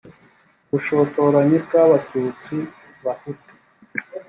ubushotoranyi bw abatutsi bahutu